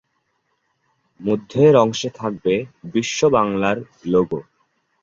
মধ্যের অংশে থাকবে "বিশ্ব বাংলা"র লোগো।